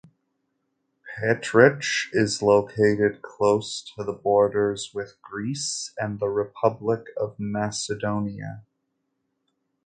Petrich is located close to the borders with Greece and the Republic of Macedonia.